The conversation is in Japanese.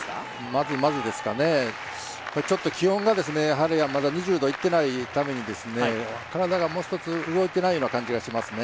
まずまずですかね、ちょっと気温が２０度いっていないために、体がもうひとつ動いていないような感じがしますね。